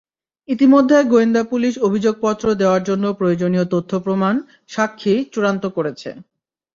ইতিমধ্যে গোয়েন্দা পুলিশ অভিযোগপত্র দেওয়ার জন্য প্রয়োজনীয় তথ্য-প্রমাণ, সাক্ষী চূড়ান্ত করেছে।